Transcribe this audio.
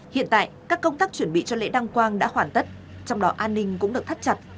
hiện tại các công tác chuẩn bị cho lễ đăng quang đã hoàn tất trong đó an ninh cũng được thắt chặt